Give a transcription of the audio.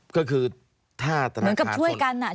เหมือนกับช่วยกันนะ